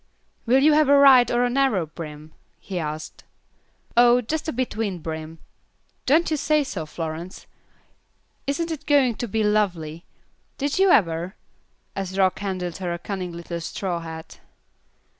"Will you have a wide or a narrow brim?" he asked. "Oh, just a between brim. Don't you say so, Florence? Isn't it going to be lovely? Did you ever?" as Rock handed her a cunning little straw hat.